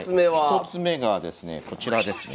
１つ目がですねこちらですね。